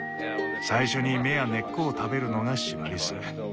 最初に芽や根っこを食べるのがシマリス。